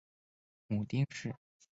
母丁氏。